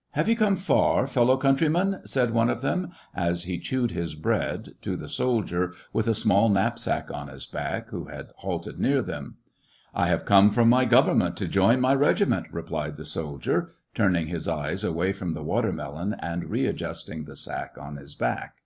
" Have you come far, fellow countryman }" said one of them, as he chewed his bread, to the soldier, with a small knapsack on his back, who had halted near them. "I have come from my government to join my regiment," replied the soldier, turning his eyes away from the watermelon, and readjusting the sack on his back.